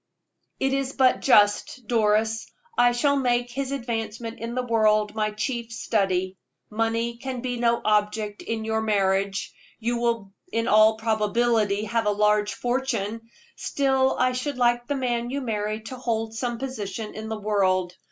"It is but just, Doris. I shall make his advancement in the world my chief study. Money can be no object in your marriage you will in all probability have a large fortune still I should like the man you marry to hold some position in the world.